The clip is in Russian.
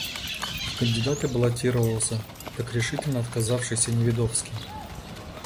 В кандидаты баллотировался так решительно отказавшийся Неведовский.